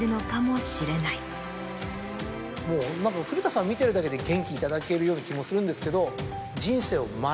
もう何か古田さん見てるだけで元気頂けるような気もするんですけど。